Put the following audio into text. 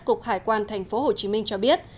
cục hải quan tp hcm cho biết